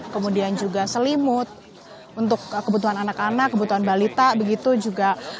kemudian juga selimut untuk kebutuhan anak anak kebutuhan balita begitu juga